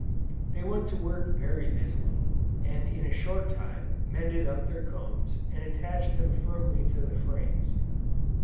They went to work very busily, and in a short time mended up their combs and attached them firmly to the frames.